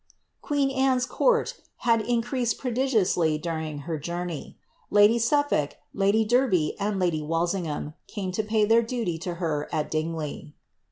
Queen Anne's court had increased prodigiously during her journey. Lady Suffolk, lady Derby, and lady Walsingham, came to pay their duty to her at Dingley.